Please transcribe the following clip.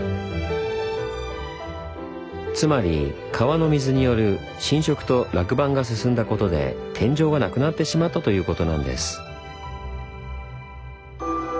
つまり川の水による侵食と落盤が進んだことで天井がなくなってしまったということなんです。